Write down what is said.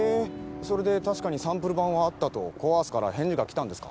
それで確かにサンプル版はあったとコ・アースから返事が来たんですか？